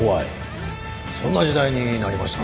そんな時代になりましたなあ。